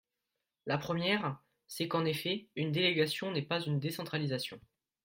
La première, c’est qu’en effet, une délégation n’est pas une décentralisation.